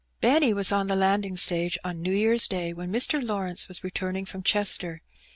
Benny was on the landing stage on New Year's Day when Mr. Lawrence was returning from Chester.